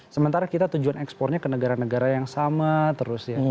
sementara kita tujuan ekspornya ke negara negara yang sama terus ya